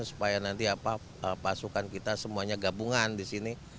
supaya nanti pasukan kita semuanya gabungan di sini